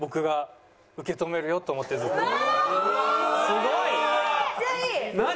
すごい！何？